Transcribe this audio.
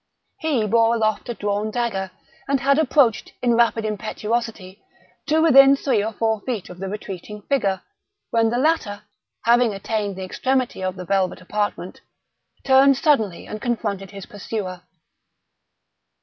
He bore aloft a drawn dagger, and had approached, in rapid impetuosity, to within three or four feet of the retreating figure, when the latter, having attained the extremity of the velvet apartment, turned suddenly and confronted his pursuer.